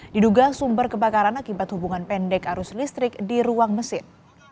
diduga sumber kebakaran akibat hubungan pendek arus listrik di ruang mesin